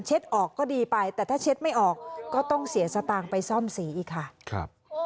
ออกก็ดีไปแต่ถ้าเช็ดไม่ออกก็ต้องเสียสตางค์ไปซ่อมสีอีกค่ะครับ